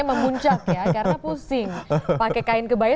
memuncak ya karena pusing pakai kain kebayo